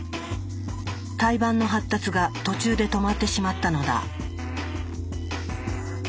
胎盤の発達が途中で止まってしまったのだ。